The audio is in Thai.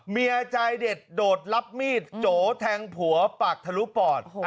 เมียใจเด็ดโดดรับมีดโจแทงผัวปากทะลุปอด